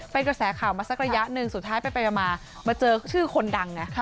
เป็นกระแสข่าวมาสักระยะหนึ่งสุดท้ายไปมามาเจอชื่อคนดังนะ